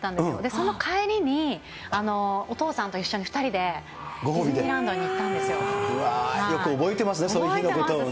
その帰りに、お父さんと一緒に２人でディズニーランドに行ったんうわー、よく覚えてますね、そういう日のことをね。